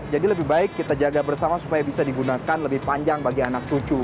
jadi lebih baik kita jaga bersama supaya bisa digunakan lebih panjang bagi anak cucu